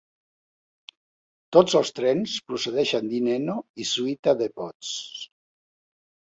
Tots els trens procedeixen d'Hineno i Suita Depots.